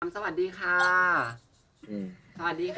สวัสดีค่ะ